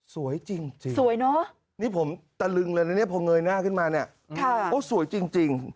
สวยจริงสวยเนอะนี่ผมตะลึงเลยนะเนี่ยพอเงยหน้าขึ้นมาเนี่ยโอ้สวยจริง